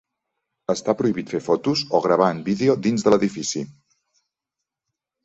Està prohibit fer fotos o gravar en vídeo dins de l'edifici.